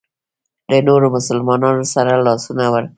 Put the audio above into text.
له نورو مسلمانانو سره لاسونه ورکړي.